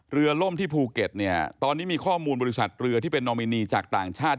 ล่มที่ภูเก็ตเนี่ยตอนนี้มีข้อมูลบริษัทเรือที่เป็นนอมินีจากต่างชาติ